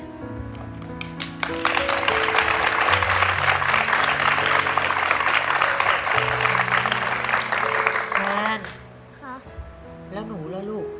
ฉ่าอะไรหรอลูก